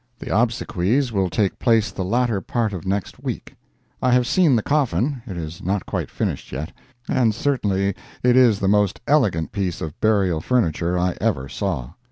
The obsequies will take place the latter part of next week. I have seen the coffin (it is not quite finished yet), and certainly it is the most elegant piece of burial furniture I ever saw.